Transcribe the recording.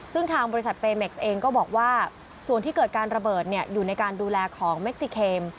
ซึ่งทางบริษัทเปเม็กซ์เองก็บอกว่าส่วนที่เกิดการระเบิดอยู่ในการดูแลของเม็กซิเคม